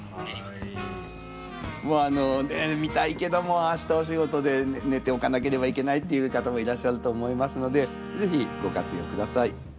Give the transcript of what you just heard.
もう見たいけども明日お仕事で寝ておかなければいけないっていう方もいらっしゃると思いますので是非ご活用下さい。